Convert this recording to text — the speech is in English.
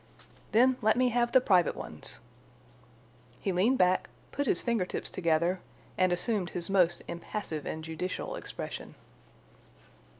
"Then let me have the private ones." He leaned back, put his finger tips together, and assumed his most impassive and judicial expression.